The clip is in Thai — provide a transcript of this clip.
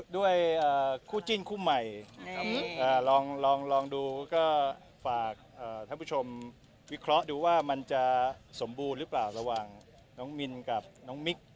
ด้วยคู่จิ้นคู่ใหม่ลองดูก็ฝากท่านผู้ชมวิเคราะห์ดูว่ามันจะสมบูรณ์หรือเปล่าระหว่างน้องมินกับน้องมิก